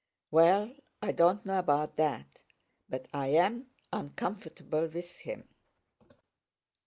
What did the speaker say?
"Well, I don't know about that, but I am uncomfortable with him.